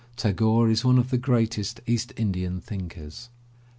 Tagore is one of the great est East Indian thinkers.